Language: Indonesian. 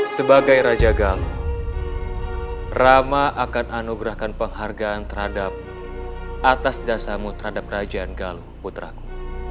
sebagai raja galuh rama akan anugerahkan penghargaan terhadap atas dasarmu terhadap kerajaan galuh putraku